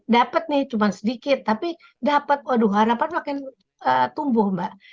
dapat nih cuma sedikit tapi dapat waduh harapan makin tumbuh mbak